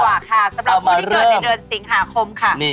พูดที่เกิดในเดือนสิงหาคมค่ะ